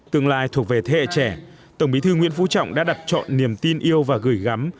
tương lai thuộc về thế hệ trẻ tổng bí thư nguyễn phú trọng đã đặt chọn niềm tin yêu và gửi gắm